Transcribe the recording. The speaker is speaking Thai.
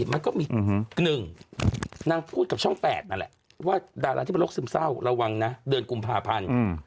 มันก็มี๑นางพูดกับช่อง๘นั่นแหละว่าดาราที่เป็นโรคซึมเศร้าระวังนะเดือนกุมภาพันธ์